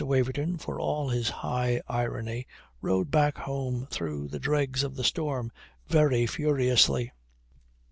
Waverton, for all his high irony, rode back home through the dregs of the storm very furiously.